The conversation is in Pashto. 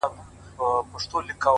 o ښه موده کيږي چي هغه مجلس ته نه ورځمه؛